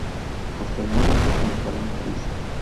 Posteriormente se instaló en París.